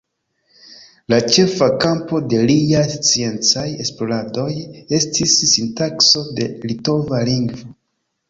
La ĉefa kampo de liaj sciencaj esploradoj estis sintakso de litova lingvo.